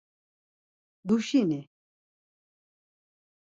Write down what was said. Duşini!